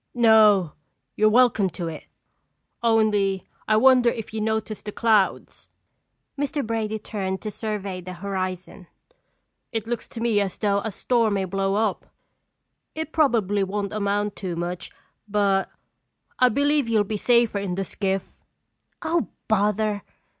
"No, you're welcome to it, only I wonder if you noticed the clouds." Mr. Brady turned to survey the horizon. "It looks to me as though a storm may blow up. It probably won't amount to much but I believe you'll be safer in the skiff." "Oh, bother!"